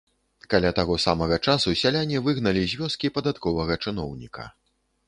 Каля таго самага часу сяляне выгналі з вёскі падатковага чыноўніка.